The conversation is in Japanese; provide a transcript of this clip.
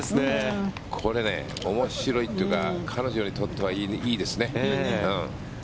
これ、面白いというか彼女にとってはいいですね。